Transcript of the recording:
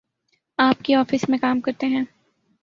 آپ کی آفس میں کام کرتے ہیں۔